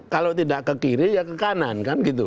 kalau tidak ke kiri ya ke kanan